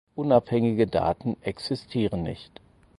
Unabhängige Daten existieren nicht.